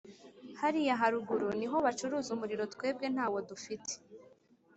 Hariya haruguru niho bacuruza umuriro twebwe ntawo dufite